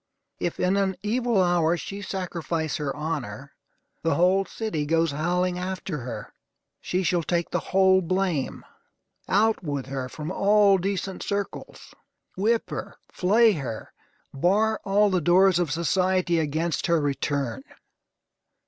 If, in an evil hour, she sacrifice her honor, the whole city goes howling after her. She shall take the whole blame. Out with her from all decent circles! Whip her. Flay her. Bar all the doors of society against her return.